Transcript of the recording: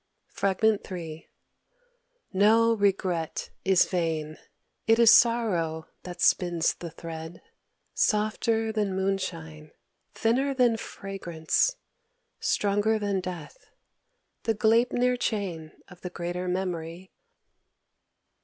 Fr. III ... "No regret is vain. It is sorrow that spins the thread, softer than moonshine, thinner than fragrance, stronger than death, the Gleipnir chain of the Greater Memory....